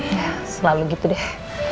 ya selalu gitu deh